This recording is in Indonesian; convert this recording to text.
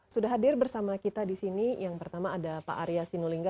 sudah hadir bersama kita di sini yang pertama ada pak arya sinulinga